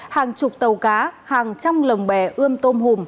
hàng chục tàu cá hàng trăm lồng bè ươm tôm hùm